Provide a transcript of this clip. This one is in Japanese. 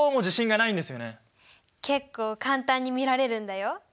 結構簡単に見られるんだよ。